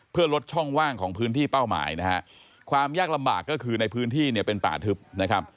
เพื่อลดช่องว่างของพื้นที่เป้าหมายนะฮะความยากลำบากก็คือในพื้นที่เนี่ยเป็นป่าทึบนะครับ